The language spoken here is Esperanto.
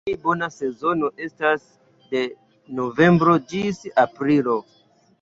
La plej bona sezono estas de novembro ĝis aprilo.